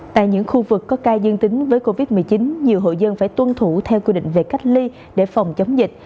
tại những khu vực có ca dương tính với covid một mươi chín nhiều hộ dân phải tuân thủ theo quy định về cách ly để phòng chống dịch